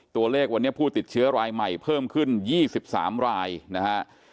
ตัวเลขวันนี้ผู้ติดเชื้อรายใหม่เพิ่มขึ้น๒๓รายนะฮะ